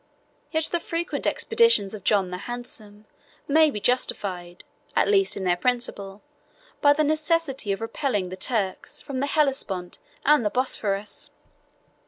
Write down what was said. Yet the frequent expeditions of John the Handsome may be justified, at least in their principle, by the necessity of repelling the Turks from the Hellespont and the Bosphorus.